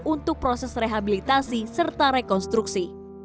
untuk proses rehabilitasi serta rekonstruksi